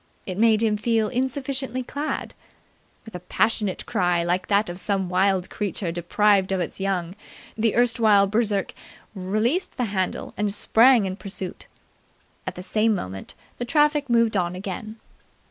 It made him feel insufficiently clad. With a passionate cry like that of some wild creature deprived of its young, the erstwhile Berserk released the handle and sprang in pursuit. At the same moment the traffic moved on again.